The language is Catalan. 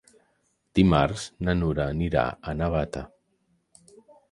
Dimarts na Nura anirà a Navata.